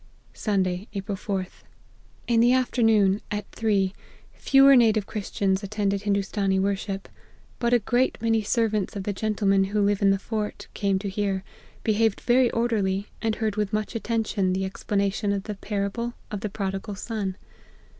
" Sunday, April ^th. In the afternoon, at three, f 224 APPENDIX. fewer native Christians attended Hindoostanee wor ship ; but a great many servants of the gentlemen who live in the fort, came to hear, behaved very orderly, and heard with much attention the expla nation of the parable of the prodigal son.